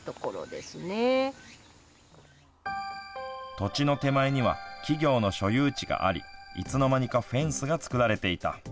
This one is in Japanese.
土地の手前には企業の所有地がありいつの間にかフェンスが作られていた。